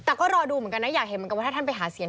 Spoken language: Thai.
แต่ก็รอดูเหมือนกันนะอยากเห็นเหมือนกันว่าถ้าท่านไปหาเสียง